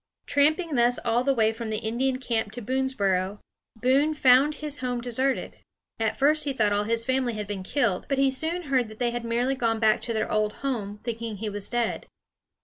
Tramping thus all the way from the Indian camp to Boonesboro, Boone found his home deserted. At first he thought all his family had been killed; but he soon heard they had merely gone back to their old home, thinking he was dead.